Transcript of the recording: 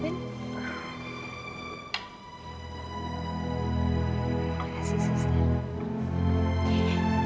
terima kasih sister